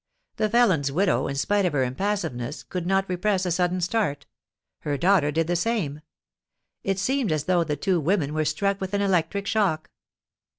The felon's widow, in spite of her impassiveness, could not repress a sudden start; her daughter did the same. It seemed as though the two women were struck with an electric shock.